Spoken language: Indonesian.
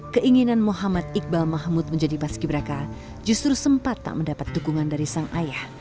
keinginan muhammad iqbal mahmud menjadi paski braka justru sempat tak mendapat dukungan dari sang ayah